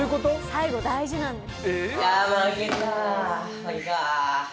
最後大事なんです。